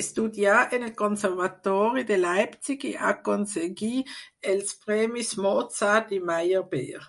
Estudià en el Conservatori de Leipzig i aconseguí els premis Mozart i Meyerbeer.